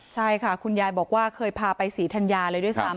ใช่ค่ะคุณยายบอกว่าเคยพาไปศรีธัญญาเลยด้วยซ้ำ